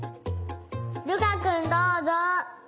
瑠珂くんどうぞ。